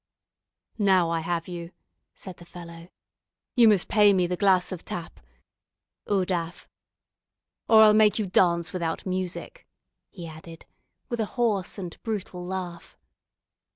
"Now I have you," said the fellow; "you must pay me the glass of 'tape' (eau d'aff), or I'll make you dance without music," he added, with a hoarse and brutal laugh.